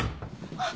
あっ。